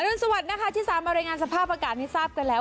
รุนสวัสดิ์นะคะที่สามารถรายงานสภาพอากาศให้ทราบกันแล้ว